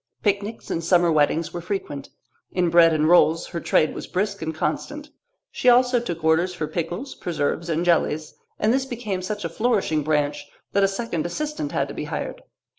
Picnics and summer weddings were frequent. In bread and rolls her trade was brisk and constant. She also took orders for pickles, preserves, and jellies, and this became such a flourishing branch that a second assistant had to be hired.